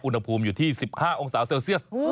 อุณหภูมิอยู่ที่๑๕องศาเซลเซียส